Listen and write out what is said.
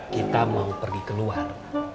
kita mau pergi keluar